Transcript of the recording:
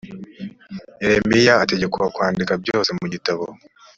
yeremiya ategekwa kwandika byose mu gitabo